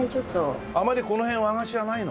あまりこの辺和菓子屋ないの？